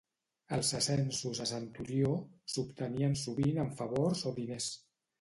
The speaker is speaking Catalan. Els ascensos a centurió s'obtenien sovint amb favors o diners.